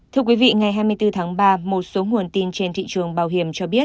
thưa quý vị ngày hai mươi bốn tháng ba một số nguồn tin trên thị trường bảo hiểm cho biết